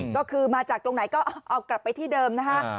ก็คือมาจากตรงไหนก็เอากลับไปที่เดิมนะฮะ